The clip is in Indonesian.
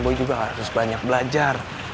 bayi juga harus banyak belajar